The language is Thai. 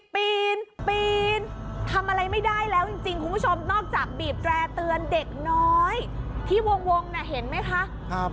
ปีนปีนทำอะไรไม่ได้แล้วจริงคุณผู้ชมนอกจากบีบแร่เตือนเด็กน้อยที่วงน่ะเห็นไหมคะ